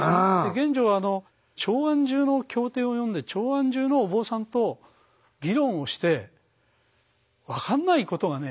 玄奘はあの長安じゅうの経典を読んで長安じゅうのお坊さんと議論をして分かんないことがね